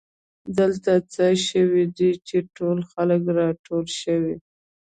دلته څه شوي دي چې ټول خلک راټول شوي